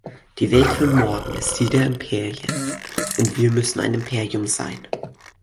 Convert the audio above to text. Die Welt von morgen ist die der Imperien, und wir müssen ein Imperium sein.